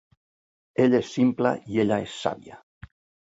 Ell és simple i ella es sàvia.